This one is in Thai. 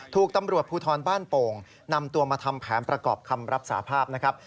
ถูกตำรวจภูทรบ้านโป่งนำตัวมาทำแผนประกอบคำรับสาภาพนะครับ